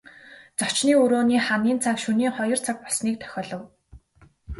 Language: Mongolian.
Зочны өрөөний ханын цаг шөнийн хоёр цаг болсныг дохиолов.